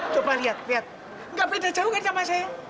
coba lihat lihat nggak beda jauh kan sama saya